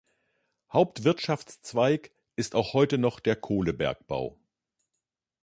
Hauptwirtschaftszweig ist auch heute noch der Kohlebergbau.